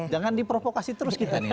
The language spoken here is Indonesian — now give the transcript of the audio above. jangan diprovokasi terus kita nih